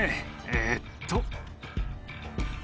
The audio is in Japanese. えっと。